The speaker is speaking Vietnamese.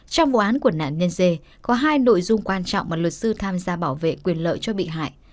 trong vụ án của nạn nhân dê có hai nội dung quan trọng mà luật sư tham gia bảo vệ quyền lợi cho bị hại